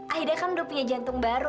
akhirnya kan udah punya jantung baru